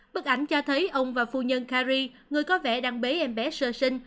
bức ảnh cho thấy ông và phu nhân kari người có vẻ đang bế em bé sơ sinh